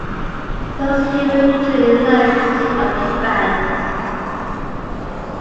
Those who were neutral in life sit on the banks.